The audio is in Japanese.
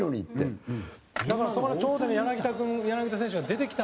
古田：だから、そこにちょうど柳田選手が出てきた。